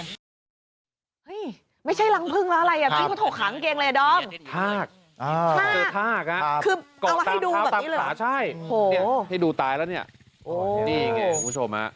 นี่เหมือนกันกดที่จะมา